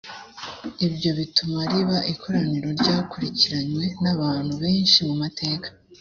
ibyo bituma riba ikoraniro ryakurikiranywe n’abantu benshi mu mateka